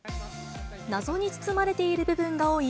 謎に包まれている部分が多い